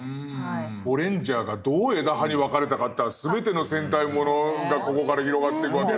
「ゴレンジャー」がどう枝葉に分かれたかって全ての戦隊ものがここから広がってくわけで。